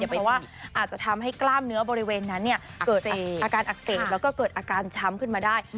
เพราะว่าอาจจะทำให้กล้ามเนื้อบริเวณนั้นเกิดอาการอักเสบแล้วก็เกิดอาการช้ำขึ้นมาได้